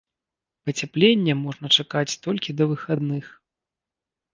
Пацяпленне можна чакаць толькі да выхадных.